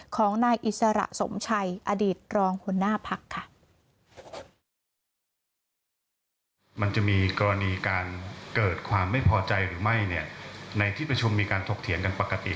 ของนายอิสระสมชัยอดีตรองหัวหน้าพักค่ะ